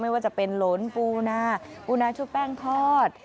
ว่าจะเป็นหลนปูนาปูนาชุบแป้งทอด